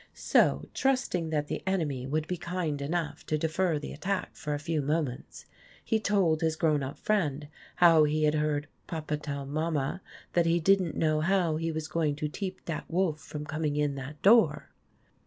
So, trusting that the enemy would be kind enough to defer the attack for a few moments, he told his grown up friend how he had heard " Papa tell Mama that he did n't know how he was going to teep that wolf from coming in that door